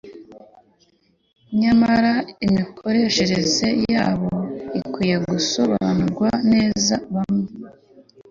nyamara imikoreshereze yabwo ikwiye gusobanurwa neza. bamwe